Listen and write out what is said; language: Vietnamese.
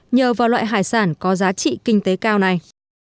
nhờ vào loại hải sản có giá trị kinh tế cao này